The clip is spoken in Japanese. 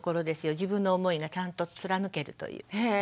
自分の思いがちゃんと貫けるという。